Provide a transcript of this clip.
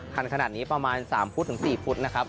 คันขนาดนี้ประมาณ๓๔พุตรนะครับ